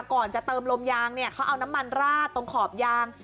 ก่อนจะเติมลมยางเนี่ยเขาเอาน้ำมันราดตรงขอบยาง